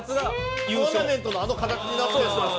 トーナメントのあの形になってんだ。